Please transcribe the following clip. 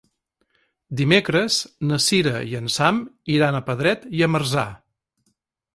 Dimecres na Sira i en Sam iran a Pedret i Marzà.